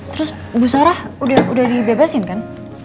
terus ibu sarah udah dibebasin kan